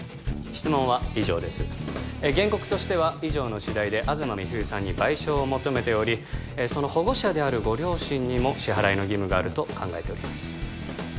質問は以上です原告としては以上の次第で東美冬さんに賠償を求めておりその保護者であるご両親にも支払いの義務があると考えております